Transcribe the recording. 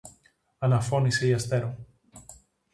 αναφώνησε η Αστέρω.